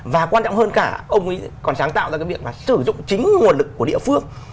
và quan trọng hơn cả ông ấy còn sáng tạo ra cái việc mà sử dụng chính nguồn lực của địa phương